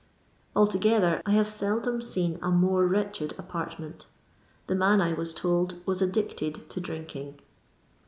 Altogether I have seldom seen a more wretched apartment The man, I was told, was addicted to drinking.